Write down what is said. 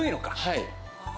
はい。